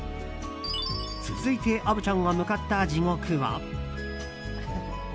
続いて虻ちゃんが向かった地獄は。